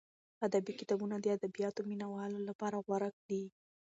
ادبي کتابونه د ادبیاتو مینه والو لپاره غوره دي.